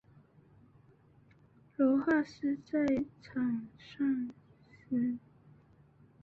罗哈斯在场上司职攻击型中场或边锋。